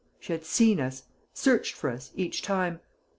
She had seen us searched for us each time.